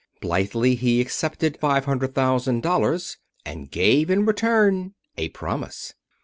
Blithely he accepted five hundred thousand dollars and gave in return a promise.